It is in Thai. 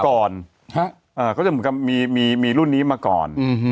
ก่อนเขาจะมีรุ่นนี้มาก่อน